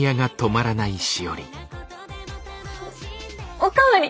おお代わり！